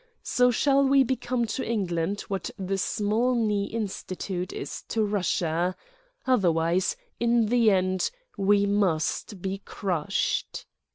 So shall we become to England what the Smolny Institute is to Russia. Otherwise, in the end, we must be crushed."